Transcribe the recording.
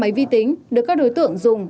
ba máy vi tính được các đối tượng dùng